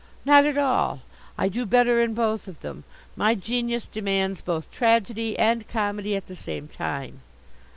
"Not at all. I do better in both of them. My genius demands both tragedy and comedy at the same time."